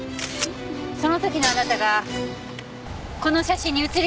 その時のあなたがこの写真に写り込んだんですね。